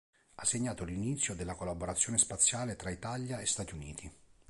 Ha segnato l'inizio della collaborazione spaziale tra Italia e Stati Uniti.